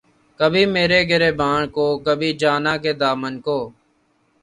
کبھی میرے گریباں کو‘ کبھی جاناں کے دامن کو